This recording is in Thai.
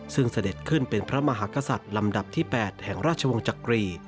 ซึ่งเสด็จขึ้นเป็นพระมหากษัตริย์ลำดับที่๘แห่งราชวงศ์จักรี